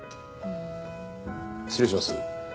失礼します。